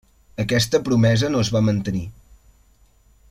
Aquesta promesa no es va mantenir.